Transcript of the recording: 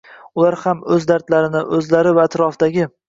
Ular ham o‘z dardlarini, o‘zlari va atrofdagi